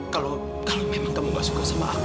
kalau memang kamu gak suka sama aku